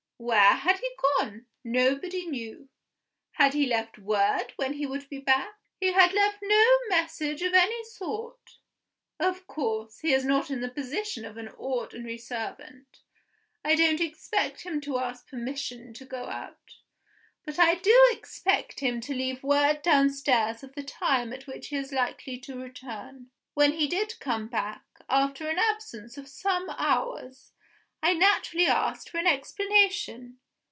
Where had he gone? Nobody knew. Had he left word when he would be back? He had left no message of any sort. Of course, he is not in the position of an ordinary servant. I don't expect him to ask permission to go out. But I do expect him to leave word downstairs of the time at which he is likely to return. When he did come back, after an absence of some hours, I naturally asked for an explanation.